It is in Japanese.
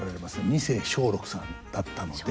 二世松緑さんだったので。